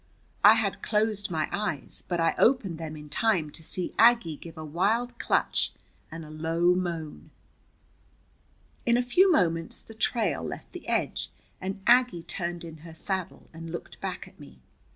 I had closed my eyes, but I opened them in time to see Aggie give a wild clutch and a low moan. In a few moments the trail left the edge, and Aggie turned in her saddle and looked back at me.